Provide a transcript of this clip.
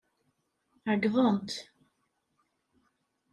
Ɛeyḍent.